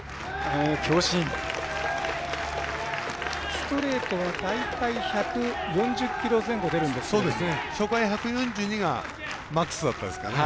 ストレートは大体１４０キロ前後出るんですけどね。